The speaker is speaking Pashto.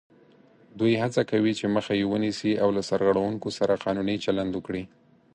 دوی هڅه کوي چې مخه یې ونیسي او له سرغړوونکو سره قانوني چلند وکړي